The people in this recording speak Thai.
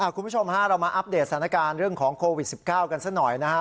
คุณผู้ชมฮะเรามาอัปเดตสถานการณ์เรื่องของโควิด๑๙กันสักหน่อยนะครับ